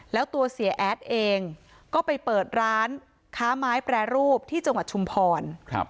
แล้วตัวเสียแอดเองก็ไปเปิดร้านค้าไม้แปรรูปที่จังหวัดชุมพร